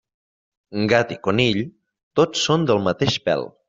Gat i conill, tots són del mateix pèl.